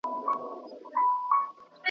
لمبه پر سر درته درځم جانانه هېر مي نه کې .